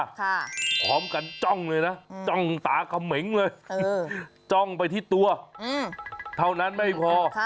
พร้อมกันจ้องเลยนะจ้องตาเขมงเลยจ้องไปที่ตัวอืมเท่านั้นไม่พอ